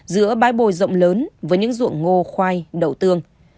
giữa bãi bồi rộng lớn với những ruộng ngô khoai đậu tương